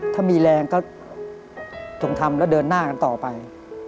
ถ้ามีแรงก็จงทำและเดินหน้าต่อไป